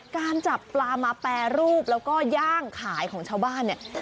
การจับปลามาแปรรูปแล้วก็ย่างขายของชาวบ้านเนี่ย